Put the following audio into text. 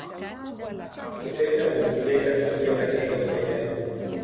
Kutenda, ni kujenga, tabia katika utendaji.